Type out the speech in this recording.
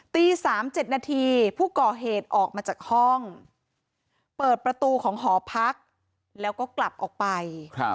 ตี๓๗นาทีผู้ก่อเหตุออกมาจากห้องเปิดประตูของหอพักแล้วก็กลับออกไป